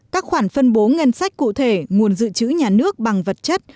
các khoản phân bố ngân sách cụ thể nguồn dự trữ nhà nước bằng vật chất